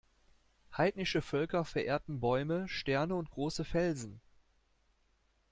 Heidnische Völker verehrten Bäume, Sterne und große Felsen.